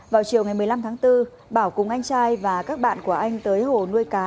vào chiều ngày một mươi năm tháng bốn bảo cùng anh trai và các bạn của anh tới hồ nuôi cá